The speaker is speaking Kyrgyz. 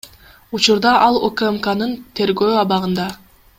Учурда ал УКМКнын тергөө абагында.